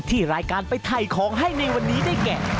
ที่รายการไปถ่ายของให้ในวันนี้ได้แก่